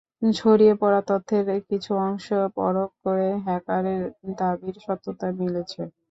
ছড়িয়ে পড়া তথ্যের কিছু অংশ পরখ করে হ্যাকারের দাবির সত্যতা মিলেছে।